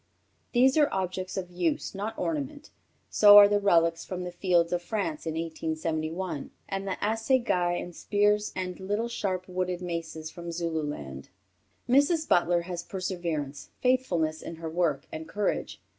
These are objects of use, not ornament; so are the relics from the fields of France in 1871, and the assegais and spears and little sharp wooden maces from Zululand." Mrs. Butler has perseverance, faithfulness in her work, and courage.